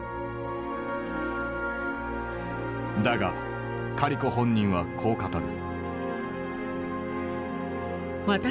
だがカリコ本人はこう語る。